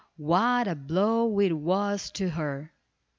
What a blow it was to her.